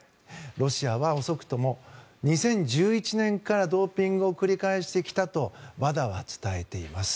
ロシアは遅くとも２０１１年からドーピングを繰り返してきたとＷＡＤＡは伝えています。